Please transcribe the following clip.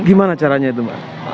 gimana caranya itu mbak